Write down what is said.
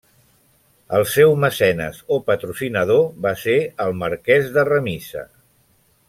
El seu mecenes o patrocinador va ser el marquès de Remisa.